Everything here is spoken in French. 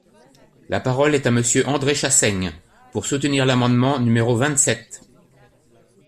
La parole est à Monsieur André Chassaigne, pour soutenir l’amendement numéro vingt-sept.